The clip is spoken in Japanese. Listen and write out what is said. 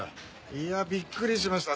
いやびっくりしました。